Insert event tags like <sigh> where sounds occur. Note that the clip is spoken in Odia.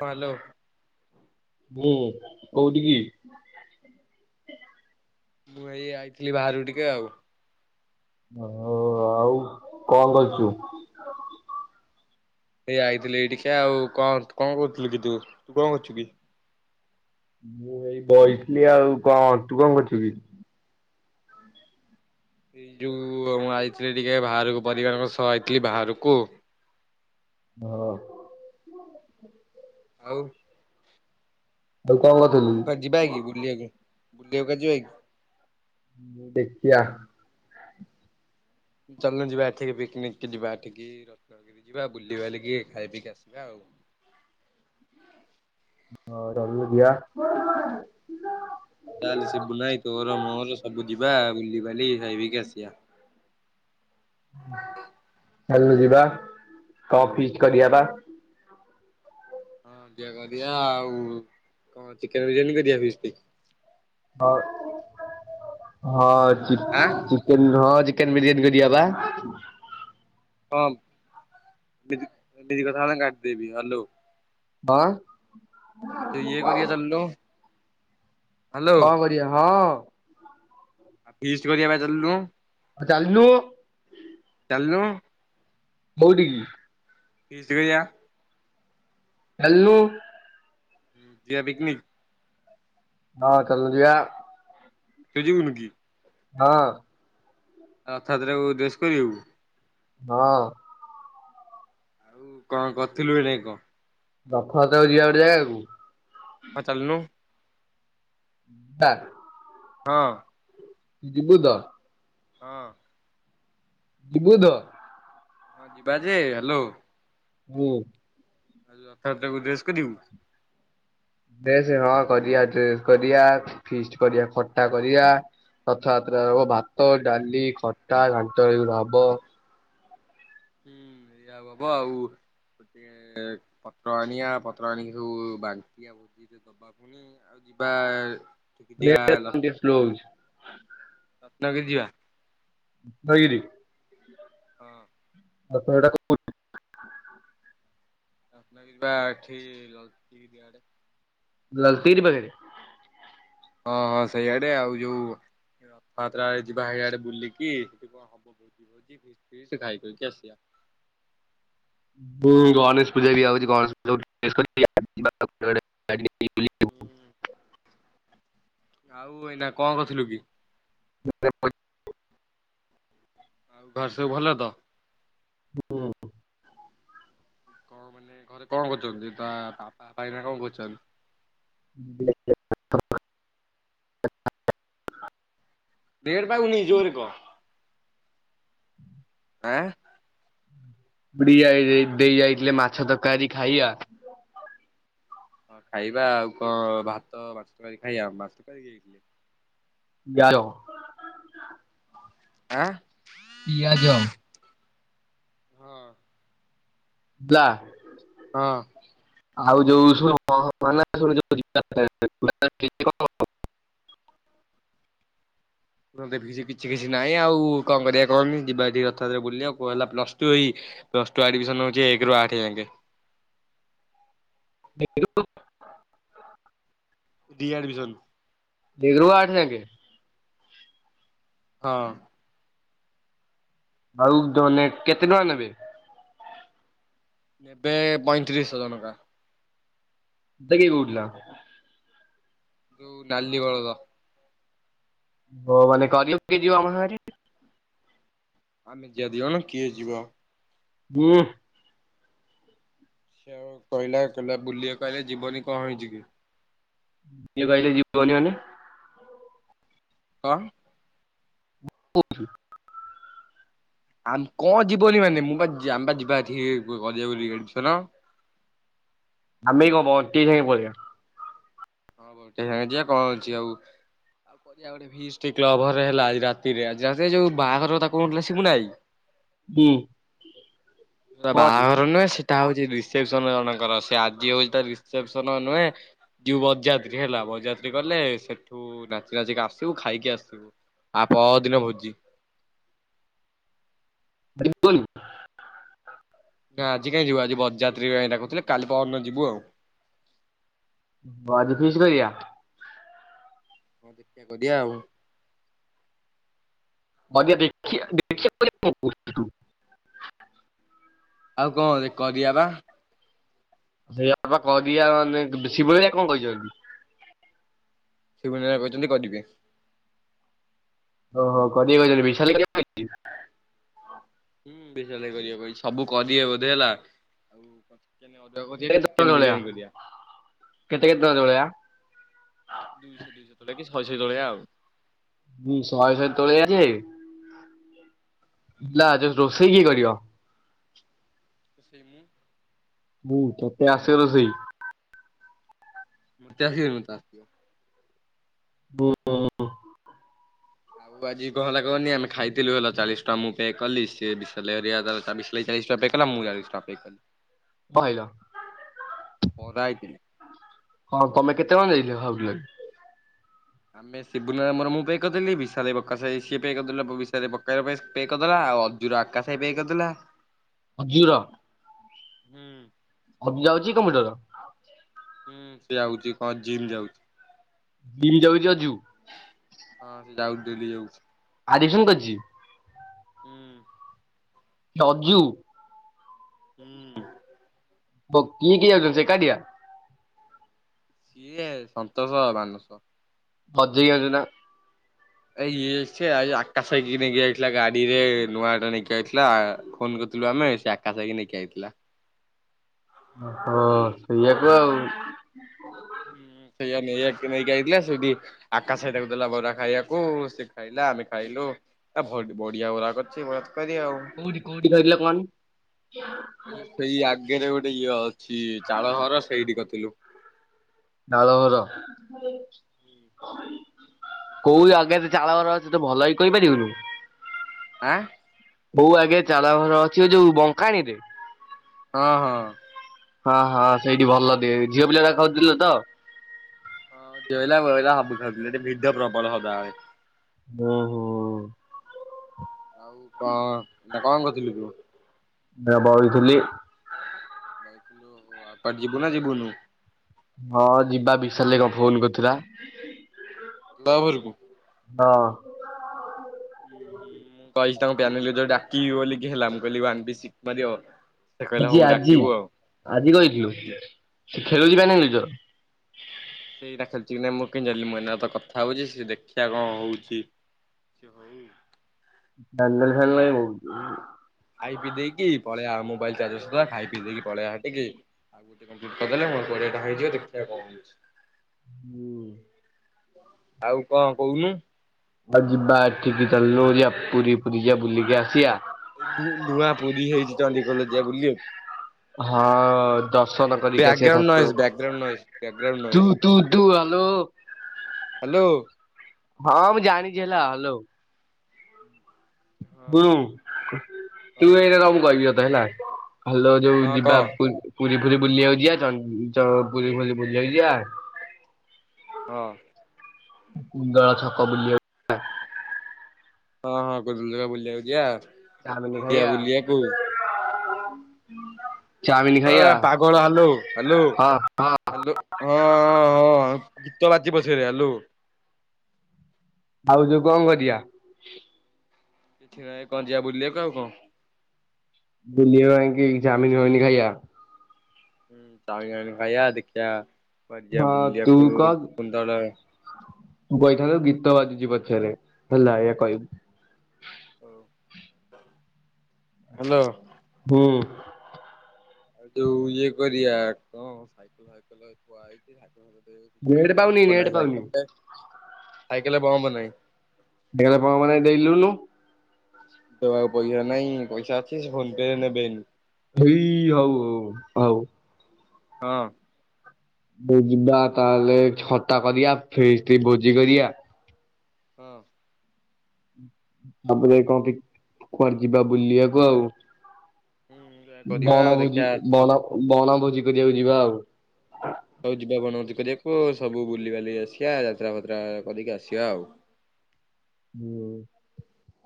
ହଁ ହ୍ୟାଲୋ ହୁଁ। କଉଠିକି? ମୁଁ ଏଇ ଆଇଥିଲି ବାହାରୁ ଟିକେ ଆଉ। ହ ଆଉ କଣ କରୁଚୁ? ଏଇ ଆଇଥିଲି ଏଇଠିକି ଆଉ କ କଣ କରୁଥିଲୁ କି ତୁ, ତୁ କଣ କରୁଛୁ କି? ମୁଁ ଏଇ ବହଇଥିଲି ଆଉକଣ ତୁ କଣ କରୁଚୁ କି? ଏଇ ଯୋଉ ମୁଁ ଆଇଥିଲି ଟିକେ ବାହାରକୁ ପରିବାରଙ୍କ ସହ ଆଇଥିଲି ବାହାରକୁ। ହଁ। ଆଉ ଆଉ କଣ କରୁଥିଲୁ? କୁଆଡେ ଯିବାକି ବୁଲିବାକୁ ବୁଲିବାକୁ କୁଆଡେ ଯିବାକି? ଦେଖିଆ। ଚାଲୁନ ଯିବା ଏଠିକି ପିକନିକ ଯିବା ଏଠିକି ର ଯିବା ବୁଲ ବଲିକି ଖାଇ ପିକି ଆସିବା ଆଉ। <unintelligible> ହଉ ରହୁଲୁ ଭିଆ ତାହେଲେ ସିବୁ ନାଇଁ ତୋର ମୋର ସବୁ ଯିବା ବୁଲିିବାଲି ଖାଇପିକି ଆସିବା। ଚାଲୁନୁ ଯିବା କପ ଫିଷ୍ଟ କରିବା ବା। ହଁ ଦିଆଆ ଆଉ କଣ ଚିକେନ ବିରିୟାନୀ କରିବା ଫିଷ୍ଟ। ହଁ ହଁ ଚ ଆଁ ଚିକେନ ଝୋଳ ଆଜି। ଚିକେନ ବିରିୟାନୀ କରିବା ବା। ହଁ ବିଧି କଥା ହେଲା କାଟିଦବି ହଲୋ। କରିବା ଚାଲୁନୁ ହଣ, ହ୍ୟାଲୋ ହଁ କରିବାଆ ହଁ। ଆଉ ଫିଷ୍ଟ କରିିଆ ପାଇଁ ଚାଲୁନୁ। ଆ ଚାଲୁନୁ। ଚାଲୁନୁ କଉଟିକି, ଫିଷ୍ଟି କି ଜା ଚାଲୁନୁ, ଯିଆ ପିକନିକ। ହଁ ଚାଲନୁ ଯିବା। ତୁ ଯିବୁନିକି? ହଁ, ରଥଯାତ୍ରା କୁ ଉ ଡ୍ରେସ କରିବୁ। ହଁ, ଆଉ କଣ କରିଥିଲୁ ଏ କଣ? ରଥଯାତ୍ରା ଯିବା ଗୋଟେ ଜାଗାକୁ। ହ ଚାଲୁନୁ। ଚାଲ ହଁ ଯିବୁ ତ? ହଁ, ଯିବୁତ, ହଁ ଯିବା ଯେ ହ୍ୟାଲୋ, ହୁଁ, ଲକାଉ ଟାକୁ ଡ୍ରେସ କରିବୁ। ଡ୍ରେସ ହଁ କରିବା ଡ୍ରେସ କରିବା ଫିଷ୍ଟ କରିବା ଖଟା କରିବା। ରଥଯାତ୍ରା ହବ ଭାତ ଡାଲି ଖଟା ଘାଣ୍ଟଏଇ ଗୁରା ହବ। ଆଉହବ ଆଉ। ଗୋଟେ ପତ୍ର ଆଣିବା ପତ୍ର ଆଣିକି ସବୁ ବାଣ୍ଟିବା ଭୋଜି ଦବା ପୁଣି ଆଉ ଯିବା, ଟିକେ ଯିବା ନେଟ ଟା ଟିକେ ଶ୍ଲୋ ହଉଚି। ନଗି ଯିବା। ହଗିରି। ହଁ। ଆପ ଏଇଟା କୋଉଠି? ଆସୁନ ଯିବା ଏଇଠି ଲଳିତ ଗିରି ଆଡେ। ଲଳିତଗିରି ପାଖରେ। ହଁ ହଁ ସେଇଆଡେ ଆଉ ଯୋଉ ରଥଯାତ୍ରା ଆଡେ ଯିବା ଏଇହାଡେ ବୁଲିକି ସେଠି କଣ ହବ ଖାଇ ଖୁଇ କି ଆସିବା । <unintelligible> ହୁଁ ଗଣେଶ ପୂଜା ବି ଆଉଛି ଗଣେଶ ପୂଜା <unintelligible> <unintelligible> ଆଉ ଏଇନା କଣ କରିଥିଲୁ କି? <unintelligible> ଆଉ ଘରେ ସବୁ ଭଲ ତ? ହୁଁ। କଣ ମାନେ ଘରେ କଣ କରୁଛନ୍ତି ତା ବାପା ଭାଇଁନା କଣ କରୁଛନ୍ତି? <unintelligible> ଦେଢଟ ପାଉନି ତାକୁ ନେଇ ଯିବ ବୋଲି କହ। ହୁଁ ଆଁ। ଉଡି ଯାଇ ଦେଇ ଯାଇଥିଲେ ମାଛ ତରକାରୀ ଖାଇଆ। ହଁ ଖାଇବା ଆଉ କଣ ଭାତ ମାଛ ତରକାରୀ ଖାଇବା ମାଛ ତରକାରୀ ହେଇ ଯାଇ ଥିଲେ। ! ! ! ! ! ! ! ! ! ! ଆ। ପିଆଜ ହଁ। ବା ହଁ। ଆଉ ଯୋଉ <unintelligible> ମୁଁ ଦେଖଛି କିଛି କିଛି ନାଇଁ ଆଉ କଣ କରିବା କଣନି ଯିବା ରଥଯାତ୍ରା ବୁଲି ଆଉ କହ ହେଲା ପ୍ଲସ ଟୁ ହେଇ ପ୍ଲସ ଟୁ ଆଡମିସନ ହଉଛି ଏକ ରୁ ଆଠେ ଯାଙ୍କେ। <unintelligible> ରି ଆଡମିସନ୍। ଦୁଇ ରୁ ଆଠେ ଯାଙ୍କେ। ହଁ। <unintelligible> କେତେ ଟଙ୍କା ନେବେ? ନେବେ ପଇଁତିରିଶ <unintelligible> ଟଙ୍କା। <unintelligible> ଯୋଉ ନାଲି ବଳଦ। ହ ମାନେ <unintelligible> ଆମ ସାଙ୍ଗରେ। ଆମେ ଯିଆ ଦି ଜଣ କିଏ ଯିବ। ହୁଁ। ସେ ଆଉ କହିଲା କହିଲା ବୁଲି କାଳେ ଯିବନି କଣ ହେଇ ଯିବି। ଇଏ କହିଲେ ଯିବନି ମାନେ କଣ? <unintelligible> ଆ କଣ ଯିବନି ମାନେ ମୁଁ ବା ଆମେ ବା ଯିବା ଏଠି ବୋଲି ରି ଆଡମିସନ। ଆମେ କଣ ବଣ୍ଟି ଭାଇ ପଳେଇବ। ହଁ ବଉଟେ ସାଙ୍ଗେ ଯିବା କଣ ଅଛି ଆଉ। ଆଉ କରିବା ଗୋଟେ ଫିଷ୍ଟ୍ ଟେ କ୍ଲବ ଘରେ ହେଲା ଆଜି ରାତିରେ ଆଜି ରାତିରେ ଯୋଉ ବାହାଘର କଥା କହୁଥିଲା ସିବୁ ଭାଇ ହୁଁ। ତା କଣ ଅଛି? ବାହାଘର ନୁହେଁ ସେ ସେଇଟା ହଉଛି ରିସେପସନ ଜଣଙ୍କର ।ସେ ଆଜି ହଉଛି ତା ରିସେପସନ ନୁହେଁ ଯିବୁ ବରଯାତ୍ରୀ ହେଲା। ବରଯାତ୍ରୀ ଗଲେ ସେଠୁ ନାଚି ନାଚିକି ଆସିବୁ ଖାଇକି ଆସିବୁ। ଆ ପରଦିନ ଭୋଜି <unintelligible> ଯାତ୍ରୀ ଭାଇ ଡାକୁଥିଲେ କାଲି ପରଦିନ ଯିବୁ ଆଉ। ଉଁ ଆଜି ଫିଷ୍ଟ କରିଆ? ହଁ ଦେଖିଆ କରିଆ ଆଉ। <unintelligible> ଦେଖିଆ ଦେଖିଆ ବୋଲି କଣ କହୁଚୁ ତୁ। ଆଉ କଣ କରିଆ ବା। ସେଇଆ ବା କରିଆ ମାନେ ଶିବ ହେରିକା କଣ କହିଛନ୍ତି? ଶିବ ହେରିକା କହିଛନ୍ତି କରିବେ। ଓ ହୋ କରିବେ <unintelligible> ହୁଁ ବିଶାଲ କରିବ କହିଚି କରିବା ସବୁ କରିବେ ବୋଧେ ହେଲା। ଆଉ ଚିକେନ ଅରୁଆ କରିବା କି କେତେ ଚିକେନ ଜଣିକିଆ ବିରିୟାନୀ କରିବା। କେତେ କେତେ ଟକା ଜଣିକିଆ? ଦୁଇଶହ ଦୁଇଶହ କରିଆ କି ଶହେ ଶହେ କରିଆ ଆଉ। ହୁଁ ଶହେ ଶହେ <unintelligible> ଯେ ହେଲା ଜ ରୋଷେଇ କିଏ କରିବ? ସେଇ ମୁଁ। ମୁଁ ତତେ ଆସେ ରୋଷେଇ? ମତେ ଆସିଆ କଥା ଆସିବ। <unintelligible> ଆଉ ଆଜି କହନା କହନି ଆମେ ଖାଇଥିଲୁ ହେଲା ଚାଳିଶ ଟଙ୍କା ମୁଁ ପେ କଲି। ସେ ବିସାଲ ହେରିକା <unintelligible> ଚାଳିଶ ଟଙ୍କା ପେ କଲା, ମୁଁ ଚାଳିଶ ଟଙ୍କା ପେ କଲି। କହିଲ ଖରା ହେଇଥିଲା। ହଁ ତମେ କେତେ? କେତେ ଜଣ <unintelligible> ଖାଉଥିଲ କି? ଆମେ ଶିବୁନିର ମୋର ମୁଁ ପେ କରିଦେଲି। ବିଶାଲ ଭାଇ ପ୍ରକାଶ ଭାଇ ସିଏ ପେ କରିଦେଲା । ବିଶାଲ ଭାଇ ପ୍ରକାଶ ଭାଇ ପାଇଁ ପେ କରିଦେଲା। ଆଉ ଅଜୁର ଆକାଶ ଭାଇ ପେ କରିଦେଲା। ଅଜୁର। ଆଉ ହୁଁ। ଅଜୁ ଯାଉଛି କମ୍ପ୍ୟୁଟର? ହୁଁ ସେ ଆଉଛି କଣ ଜିମ୍ ଯାଉଛି। ବିରି ଯାଇକି ଅଜୁ ହଁ ସେ ଯାଉଛି ଡେଲି ଯାଉଚି। ଆଡମିସନ୍ କରଚି। ହୁଁ। କିଏ ଅଜୁ? ହୁଁ। ବ-କିଏ କିଏ ଯାଉଚନ୍ତି ସେ ଏକୁଟିଆ? ସିଏ, ସନ୍ତୋଷ, ମାନଷ। ମଧେଇକି ଆଜୁ ନା। ଏ ଇଏ ସିଏ ଆଇ ଆକାଶ ଭାଇକି ନେଇକି ଯାଇଥିଲା ଗାଡିରେ ନୂଆଗଡ ନେଇକି ଯାଇଥିଲା ଆ-ଫୋନ କରି ଥିଲୁ ଆମେ ସିଏ ଆକାଶ ଭାଇକି ନେଇକି ଆଇଥିଲା। ଓହୋ ସେଇଆକୁ ଆଉ। ହୁଁ ସେଇଆ ନେଇଆଇ-ନେଇକି ଆଇଥିଲା ସେଇଠି ଆକାଶ ଭାଇ ତାକୁ ଦେଲା ବରା ଖାଇବାକୁ ସିଏ ଖାଇଲା ଆମେ ଖାଇଲୁ। ଏ-ଭ-ବଢିଆ ବରା କରଚି ବ କୋଉଠି କୋଉଠି ଖାଇଥିଲ କହନି? ଏଇ ଯୋଉ ସେଇ ଆଗେରେ ଗୋଟେ ଇଏ ଅଛି ଚାଳଘର ସେଇଠି କରଥିଲୁ। ନାଳଘର? କୋଉ ଆଗେରେ ଚାଳଘର ଅଛି ତ ଭଲକି କହିପାରିବୁନୁ? ଆଁ କୋଉ ଆଗରେ ଚାଳଘର ଅଛି ଏ ଯୋଉ ବଙ୍କାଣୀରେ? ହଁ ହଁ। ହଁ ହଁ ସେଇଠି ଭଲ ଟିକେ ଝିଅ ପିଲାରା ଖାଉଥୁଲେ ତ। ହଁ ଝିଅପିଲା ପୁଅପିଲା ସବୁ ଖାଉଥୁଲେ ହେଠି ଭିଡ ପ୍ରବଳ ସଦାବେଳେ। ଓହୋ। ଆଉ କଣ ଏଇନା କଣ କରଥୁଲୁ ତୁ? ଏବେ ବଇଥିଲି। ବଇଥିଲୁ ଆଉ କୁଆଡେ ଯିବୁ ନା ଯିବୁୁନୁ? ସେଲିର ଫୋନ୍ କରିଥିଲା। ତୁ ଆ ଘରକୁ। ହଁ। ମୁଁ ପାଇଲି ତାଙ୍କୁ ବାନିଲରେ ଯୋଉ ଡାକିବି ବୋଲିିକି ହେଲା ମୁଁ କହିଲିି ୱାନ ବି ସି ମାରିବ। ସେ କହିଲା ଆଜି ହଉ ଆଜି ଡାକିବୁ ଆଉ ଆଜି ହୁଁ କହିଥିଲୁ ଆଜି। ଖେଳୁଚି ପାଇଁ ମୁଁ ନିଜର। ଏଟା ଖେଳୁଚି କି ନାଇଁ ମୁଁ କେମତି ଜାଣିଲି ମୁଁ ଏନା ତ କଥା ହୋଉଚି ସିଏ ଦେଖିଆ କଣ ହୋଉଚି। ସିଏ ହୋଉ। ବ୍ୟାନେଲେ ଖେଳିଲେ ବି ଭୋଉତ ଖାଇ ପିଇ ଦେଇକି ପଳେୟା ମୋବାଇଲ ଚାର୍ଜ ବସେଇଦବା ଖାଇ ପିଇଦେଇକି ପଳେୟା ହେ ଟିକି ଆଉ ଗୋଟେ କମ୍ପ୍ଲିଟ୍ କରିଦେଲେ ମୋର କୋଡିଏଟା ହେଇଯିବ ଦେଖିଆ କଣ ହୋଉଚି। ହୁଁ। ଆଉ କଣ କହୁନୁ? ଆଉ ଯିବା ଏଠିକି ଚାଲିଲୁ ଯିବା ପୁରୀ ପୁରୀ ଯିବା ବୁଲିକି ଆସିଆ? ଏଇ ବୁ ନୂଆ ପୁରୀ ହେଇଛି ଚଣ୍ଡୀଖୋଲରେ ଯିବା ବୁଲି ଆଉ। ହଁ ଦର୍ଶନ କରିକି ଆସିବା ବ୍ୟାକଗ୍ରାଉଣ୍ଡ ନଏଜ ବ୍ୟାକଗ୍ରାଉଣ୍ଡ ନଏଜ ଠାକୁରଙ୍କୁ। ବ୍ୟାକଗ୍ରାଉଣ୍ଡ ତୁ ତୁ ତୁ ହାଲୋ। ହାଲୋ। ହଁ ମୁଁ ଜାଣିଚି ହେଲା ହାଲୋ। ହୁଁ ତୁ ହଁ ଏଇଟା ରହ ମୁଁ କହିବି ତତେ ହାଲୋ ଯୋଉ ହଁ କହ ଯିବା ପୁର ପୁରୀ ଫୁରୀ ବୁଲିିବାକୁ ଯିବା ଚ ଅ ପୁରୀ ଫୁଲି ବୁଲିିବାକୁ ଯିବା ହଁ। କୁନ୍ଦଳ ଛକ ବୁଲିବାକୁ ହଁ ହଁ କୁନ୍ଦଳ ଛକ ବୁଲିବାକୁ ଯିବା, ଚାଉମିନ ପୁରୀ ଯିବା ଖାଇବା। ବୁଲିଆକୁ <unintelligible> ଖାଇବା ପାଗଳ ହାଲୋ ହାଲୋ ହଁ ହଁ ହାଲୋ ହଁ ହଁ ହଁ ହଁ। ଗୀତ ବାଜିବ ସିଆଡ଼େ ହାଲୋ। ଆଉ ଯୋଉ କଣ କରିଆ? କିଛି ନାଇଁ କଣ ଯିବା ବୁଲିବାକୁ ଆଉ କଣ? ବୁଲିବା ଯାଇଁକି ଚାଓମିନ ଫାଓମିନି ଖାଇବା ହୁଁ ଚାଓମିନ ଫାଓମିନ୍ ଖାଇବା, ଦେଖିବା କୁଆଡେ ଯିବା ହଁ ତୁ ବୁଲିବାକୁ କହ କୁନ୍ଦଳ ତୁ କହିଥାନ୍ତୁ ଗୀତ ବାଜୁଛି ପଛରେ ହେଲା ଏୟା କହିବୁ। ହଁ ହାଲୋ। ହୁଁ। ଆଉ ଯୋଉ ଇଏ କରିଆ କଣ ସାଇକଲ ଫାଇକଲ୍ ଥୁଆ ହେଇଛି <unintelligible> ନେଟ୍ ପାଉନି ପମ୍ପ ନେଟ୍ ନାହିଁ ପାଉନି ସାଇକଲ୍ ରେ, ସାଇକଲ୍ ରେ ପମ୍ପ ନାହିଁ। ଏକାଥରେ ପମ୍ପ ନାଇଁ ଦେଲୁନୁ। ତ ଆଉ ପଇସା ନାଇଁ, ପଇସା ଅଛି ସେ ଫୋନ ପେ ରେ ନେବେନି। ଏଇ ହଉ ହଉ ହଉ ହଉ। ହଁ। ଯିବା ତାହେଲେ ଛତା କରିଆ ଫିଷ୍ଟ୍ ଭୋଜି କରିଆ ହଁ। ତା ପରେ କୋଉଠିକି କୁଆଡେ ଯିବା ବୁଲିଆକୁ ଆଉ? ହୁଁ ଯା କରିବା ଆଉ ବଣଭୋଜି ଦେଖିବା ବଣ ବଣଭୋଜି କରିବାକୁ ଯିବା ଆଉ। ଆଉ ଯିବା ବଣ ଭୋଜି କରିବାକୁ, ସବୁ ବୁଲିିବାଲି ଆସିଆ ଯାତ୍ରା ଫାତ୍ରା କରିକି ଆସିଆ ଆଉ। ହୁଁ।